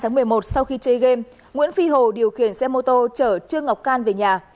hai mươi hai tháng một mươi một sau khi chơi game nguyễn phi hồ điều khiển xe mô tô chở trương ngọc can về nhà